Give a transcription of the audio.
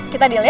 kita deal ya